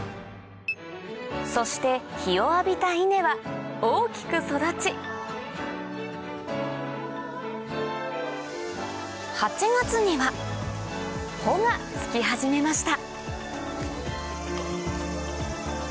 そして日を浴びた稲は大きく育ち８月には穂がつき始めました